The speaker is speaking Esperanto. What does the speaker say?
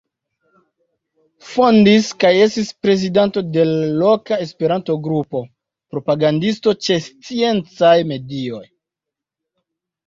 Fondis kaj estis prezidanto de l' loka Esperanto-grupo; propagandisto ĉe sciencaj medioj.